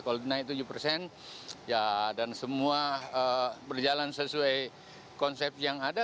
kalau dinaik tujuh persen dan semua berjalan sesuai konsep yang ada